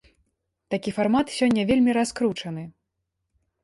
Такі фармат сёння вельмі раскручаны.